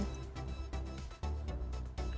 ya memang kita juga monitor